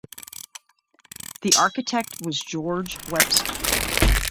The architect was George Webster.